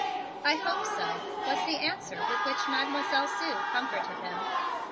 "I hope so," was the answer with which Mademoiselle Sue comforted him.